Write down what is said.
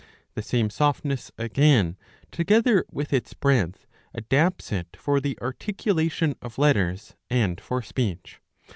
^ This same softness again, together with its breadth, adapts it for the articulation of letters and for speech.